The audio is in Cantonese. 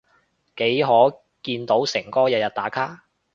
幾可見過誠哥日日打卡？